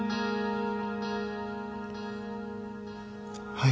はい。